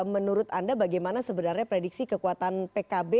menurut anda bagaimana sebenarnya prediksi kekuatan pkb